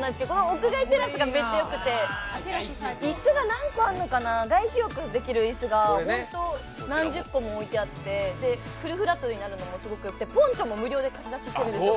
屋上テラスがめっちゃよくて椅子が何個あるのかな、外気浴できる椅子が何十個も置いてあってフルフラットになるのもすごくて、ポンチョも無料で貸し出ししてるんですよ。